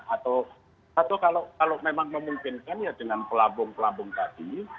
atau kalau memang memungkinkan ya dengan pelabung pelabung tadi